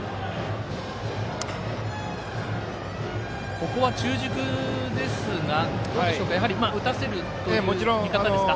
ここは中軸ですがやはり打たせるという見方ですか。